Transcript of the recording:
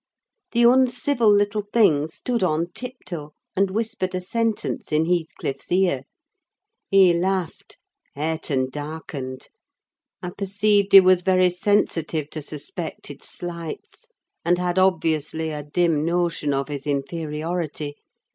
The uncivil little thing stood on tiptoe, and whispered a sentence in Heathcliff's ear. He laughed; Hareton darkened: I perceived he was very sensitive to suspected slights, and had obviously a dim notion of his inferiority.